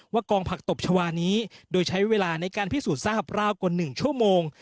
กองผักตบชาวานี้โดยใช้เวลาในการพิสูจนทราบราวกว่า๑ชั่วโมง